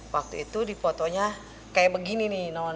waktu itu dipotonya kayak begini nih non